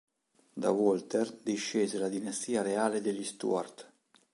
Da Walter discese la dinastia reale degli Stuart.